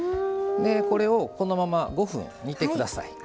これを、このまま５分煮てください。